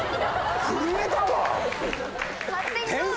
震えたわ！